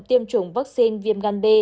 tiêm chủng vaccine viêm gan b